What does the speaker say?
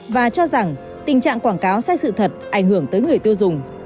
và cho rằng tình trạng quảng cáo sai sự thật ảnh hưởng tới người tiêu dùng